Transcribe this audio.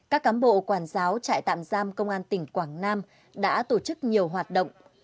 các cám bộ quản giáo trại tạm giam công an tỉnh quảng nam đã tổ chức nhiều hoạt động